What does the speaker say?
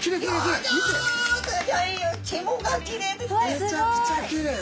めちゃくちゃきれい。